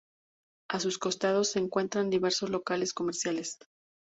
A sus costados se encuentran diversos locales comerciales.